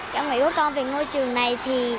cảm ơn các con về ngôi trường này